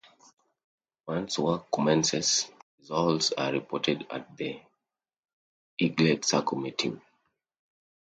Once work commences, results are reported at the Eaglet Circle meeting.